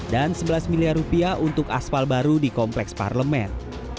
dan sebelas miliar rupiah untuk aspal baru di kompleks parlemen